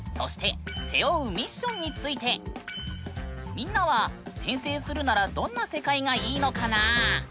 みんなは転生するならどんな世界がいいのかなあ？